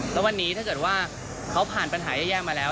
แล้ววันนี้ถ้าเขาผ่านปัญหาแย่มาแล้ว